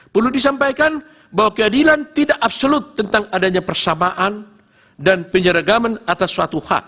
perlu disampaikan bahwa keadilan tidak absolut tentang adanya persamaan dan penyeragaman atas suatu hak